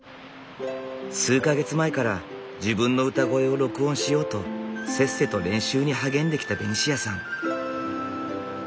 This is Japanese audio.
数か月前から自分の歌声を録音しようとせっせと練習に励んできたベニシアさん。